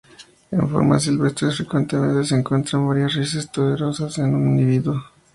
En formas silvestres frecuentemente se encuentran varias raíces tuberosas en un individuo.